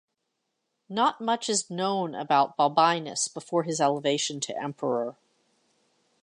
Not much is known about Balbinus before his elevation to emperor.